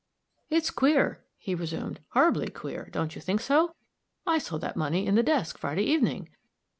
"It's queer," he resumed; "horribly queer; don't you think so? I saw that money in the desk Friday evening.